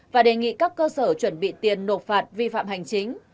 và đề nghị các cơ sở chuẩn bị tiền nộp phạt vi phạm hành chính